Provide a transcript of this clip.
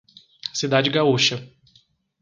Cidade Gaúcha